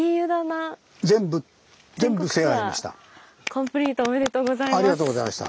コンプリートおめでとうございます。